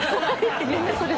みんなそれぞれ。